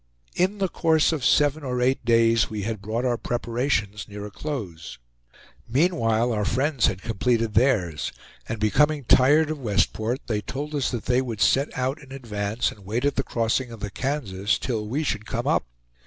In the course of seven or eight days we had brought our preparations near to a close. Meanwhile our friends had completed theirs, and becoming tired of Westport, they told us that they would set out in advance and wait at the crossing of the Kansas till we should come up.